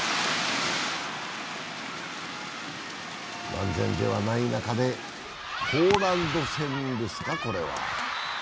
万全ではない中で、ポーランド戦ですか、これは。